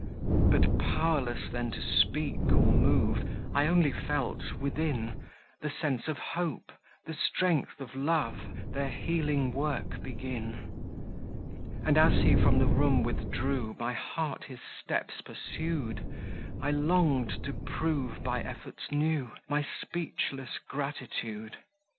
But pow'rless then to speak or move, I only felt, within, The sense of Hope, the strength of Love, Their healing work begin. And as he from the room withdrew, My heart his steps pursued; I long'd to prove, by efforts new; My speechless gratitude.